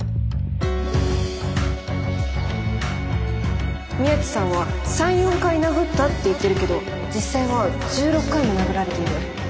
回想宮地さんは３４回殴ったって言ってるけど実際は１６回も殴られてる。